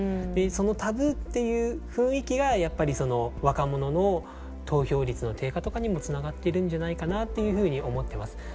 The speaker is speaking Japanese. そのタブーっていう雰囲気がやっぱり若者の投票率の低下とかにもつながってるんじゃないかなっていうふうに思ってます。